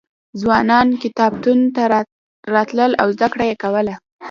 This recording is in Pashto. ځوانان کتابتون ته راتلل او زده کړه یې کوله.